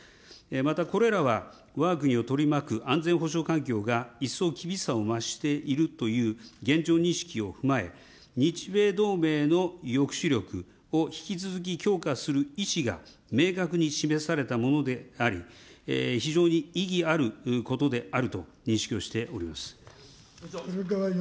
またこれらは、わが国を取り巻く安全保障環境が一層厳しさを増しているという現状認識を踏まえ、日米同盟の抑止力を引き続き、強化する意思が明確に示されたものであり、非常に意義あることであると認識をしております。